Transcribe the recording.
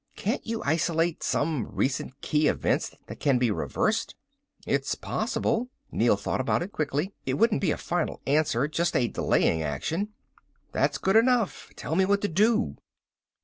"Can't you isolate some recent key events that can be reversed?" "It's possible." Neel thought about it, quickly. "It wouldn't be a final answer, just a delaying action." "That's good enough. Tell me what to do."